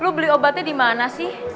lo beli obatnya dimana sih